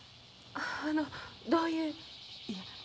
あのどういう？